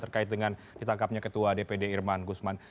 terkait dengan ditangkapnya ketua dpd irman gusman